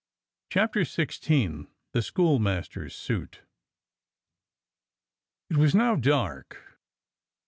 CHAPTER XVI THE schoolmaster's SUIT IT WAS now dark.